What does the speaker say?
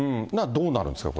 どうなるんですか？